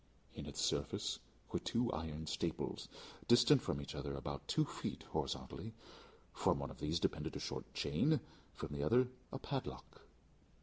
In its surface were two iron staples, distant from each other about two feet, horizontally. From one of these depended a short chain, from the other a padlock.